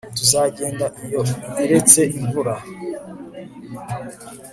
tuzagenda iyo iretse imvura